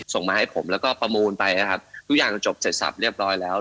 ส่งมาให้ผมแล้วก็ประมูลไปนะครับทุกอย่างจบเสร็จสับเรียบร้อยแล้ว